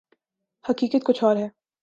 حقیقت کچھ اور ہے۔